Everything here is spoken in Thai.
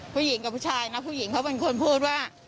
ผู้หญิงกับผู้ชายนะผู้หญิงเขาเป็นคนพูดว่า